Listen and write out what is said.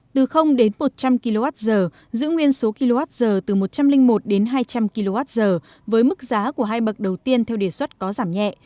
từ đến một trăm linh kwh giữ nguyên số kwh từ một trăm linh một đến hai trăm linh kwh với mức giá của hai bậc đầu tiên theo đề xuất có giảm nhẹ